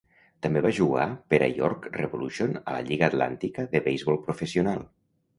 També va jugar per a York Revolution a la Lliga atlàntica de beisbol professional.